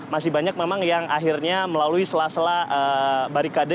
masih banyak memang yang akhirnya melalui sela sela barikade